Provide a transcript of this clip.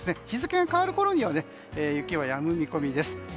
日付が変わるころには雪はやむ見込みです。